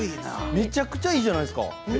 めちゃくちゃいいじゃないですか。